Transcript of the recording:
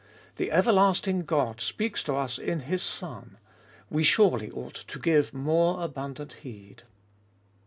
The everlasting God speaks to us in His Son ; we surely ought to give more abundant heed.